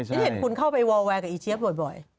ไม่เห็นคุณเข้าไปวอลว่าว่าว่ากับอีเจี๊ยบบ่อย